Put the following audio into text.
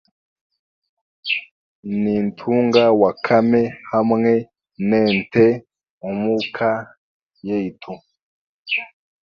Nintunga wakame hamwe n'ente omuka yaitu.